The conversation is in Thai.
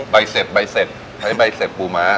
ใบเสร็จใช้ใบเสร็จปูม้า